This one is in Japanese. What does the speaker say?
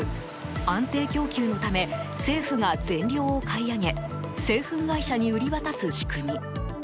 安定供給のため政府が全量を買い上げ製粉会社に売り渡す仕組み。